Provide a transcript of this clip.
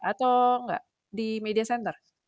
atau enggak di media center